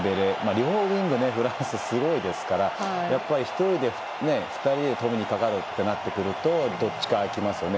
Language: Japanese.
両ウイングフランスはすごいですからやっぱり１人、２人で止めにかかるってなってくるとどっちか空きますよね。